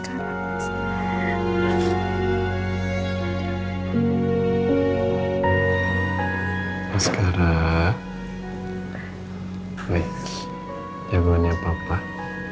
kamu sekarang sudah mulai membaik